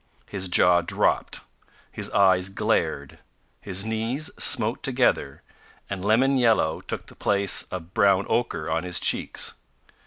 His jaw dropped, his eyes glared, his knees smote together, and lemon yellow took the place of brown ochre on his cheeks.